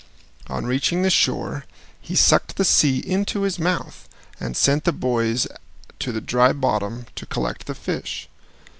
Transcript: On reaching the shore he sucked the sea into his mouth, and sent the boys to the dry bottom to collect the fish.